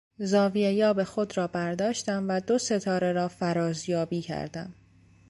زاویهیاب خود را برداشتم و دو ستاره را فرازیابی کردم.